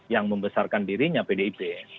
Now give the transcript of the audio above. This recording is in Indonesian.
yang membesarkan dirinya pdip